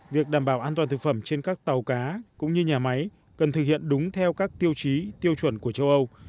việc đảm bảo an toàn thực phẩm trên các tàu cá cũng như nhà máy cần thực hiện đúng theo các tiêu chí tiêu chuẩn của châu âu